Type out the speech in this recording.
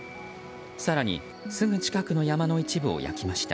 更に、すぐ近くの山の一部を焼きました。